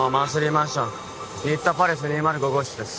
マンション新田パレス２０５号室です